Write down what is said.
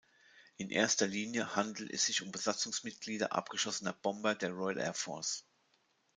In erster Linie handelt es sich um Besatzungsmitglieder abgeschossener Bomber der Royal Air Force.